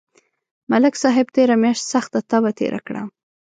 ملک صاحب تېره میاشت سخته تبه تېره کړه